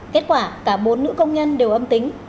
kết quả cả bốn nữ công nhân đều âm tính